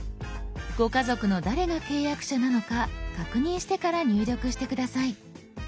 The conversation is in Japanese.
ご家族の誰が契約者なのか確認してから入力して下さい。